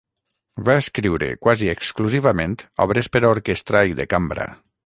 Va escriure quasi exclusivament obres per a orquestra i de cambra.